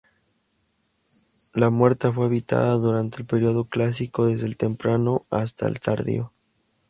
La Muerta fue habitada durante el periodo clásico, desde el temprano, hasta el tardío.